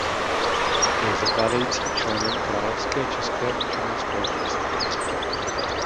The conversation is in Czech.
Byl zakládajícím členem Královské české učené společnosti.